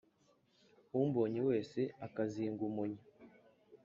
Umbonye wese akazinga umunya.